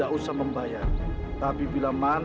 ga pernah nanti saya akan sampai di lembat